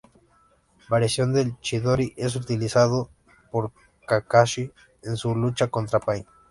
Variación del Chidori, es utilizando por Kakashi en su lucha contra Pain.